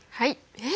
えっ？